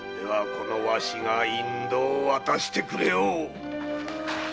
このわしが引導を渡してくれよう。